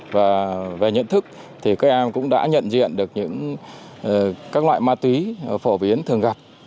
và về nhận thức thì các em cũng đã nhận diện được những loại ma túy phổ biến thường gặp